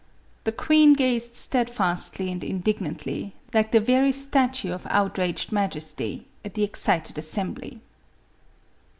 The queen gazed steadfastly and indignantly, like the very statue of outraged majesty, at the excited assembly.